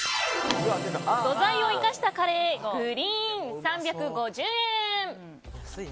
素材を生かしたカレーグリーン３５０円。